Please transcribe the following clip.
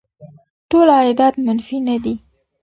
ټول عایدات منفي نه دي.